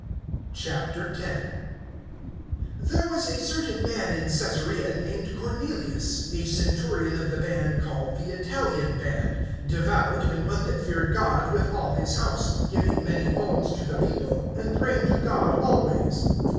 X. THERE was a certain man in Caesarea named Cornelius, a centurion of the band called the Italian band; (2)devout, and one that feared God with all his house, giving many alms to the people, and praying to God always.